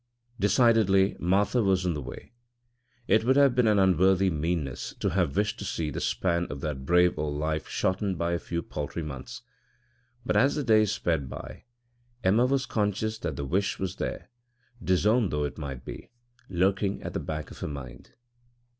Decidedly Martha was in the way. It would have been an unworthy meanness to have wished to see the span of that brave old life shortened by a few paltry months, but as the days sped by Emma was conscious that the wish was there, disowned though it might be, lurking at the back of her mind.